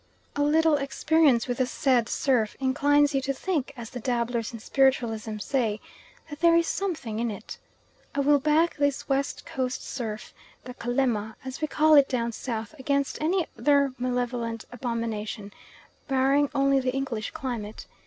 A little experience with the said surf inclines you to think, as the dabblers in spiritualism say "that there is something in it." I will back this West Coast surf "the Calemma," as we call it down South, against any other malevolent abomination, barring only the English climate.